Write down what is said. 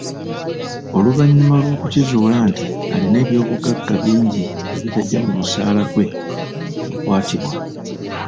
Oluvannyuma lw'okukizuula nti alina eby'obugagga bingi ebitagya mu musaala gwe, yakwatibwa.